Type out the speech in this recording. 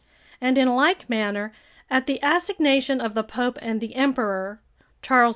And in like manner, at the assignation of the Pope and the Emperor, [Charles V.